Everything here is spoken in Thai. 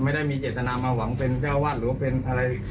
ไม่ได้มีเจตนามาหวังเป็นเจ้าวาดหรือว่าเป็นอะไร